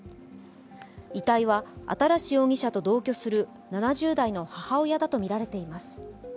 遺体は新容疑者と同居する７０代の母親だとみられています。